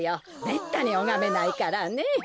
めったにおがめないからね。